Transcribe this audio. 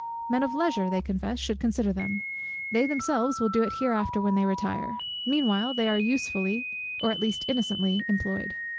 "Men of leisure they confess should consider them; they themselves will do it hereafter when they retire; meanwhile they are usefully or at least innocently employed."